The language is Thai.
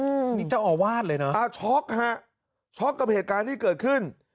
อืมนี่เจ้าอาวาสเลยนะอ่าช็อกฮะช็อกกับเหตุการณ์ที่เกิดขึ้น